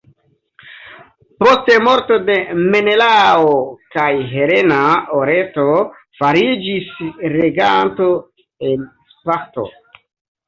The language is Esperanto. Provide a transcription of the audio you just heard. Post morto de Menelao kaj Helena Oresto fariĝis reganto en Sparto.